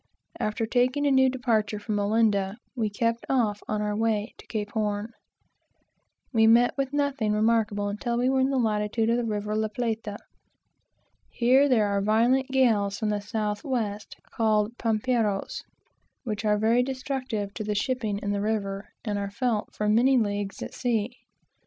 After taking a new departure from Olinda, we kept off on our way to Cape Horn. We met with nothing remarkable until we were in the latitude of the river La Plata. Here there are violent gales from the south west, called Pomperos, which are very destructive to the shipping in the river, and are felt for many leagues at sea.